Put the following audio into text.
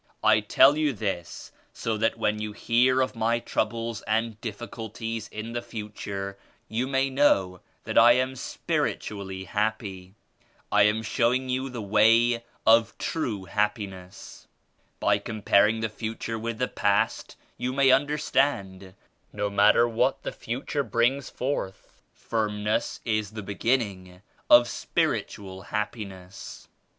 I tell you this so that when you hear of my troubles and difficulties in the future, you may know that I am spiritually happy. I am showing you the way of true happiness. By comparing the future with the past you may understand, no matter what the future brings forth. Firmness is the beginning of spiritual happiness.